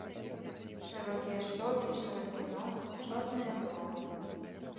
Шырокія шчокі, шырокі нос, чорныя бровы.